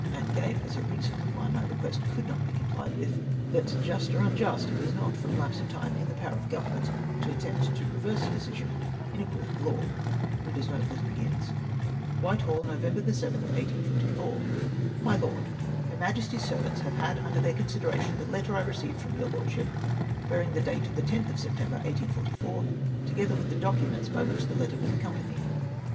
327 gave as a reason why my request could not be com plied with, that just, or unjust, it was not, from lapse of time, in the power of the Government to attempt to reverse a decision in a court of law. " Wliitehall, Nov. 7tli, 1844. " My LorxD, — Her Majesty's servants have had under their consideration the letter I received from your Lordship, bearing date the 10th of Septeml)er 1844, together with the docu ments by which that letter was accompanied.